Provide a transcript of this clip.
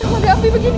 kenapa ada api begini